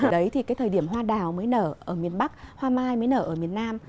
đấy thì cái thời điểm hoa đào mới nở ở miền bắc hoa mai mới nở ở miền nam